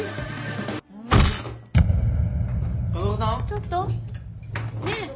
ちょっと？ねぇ！